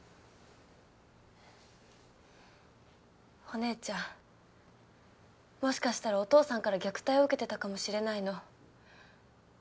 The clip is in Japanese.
お姉ちゃんもしかしたらお父さんから虐待を受けてたかもしれないの。